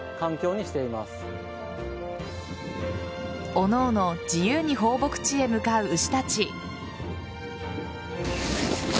おのおの自由に放牧地へ向かう牛たち。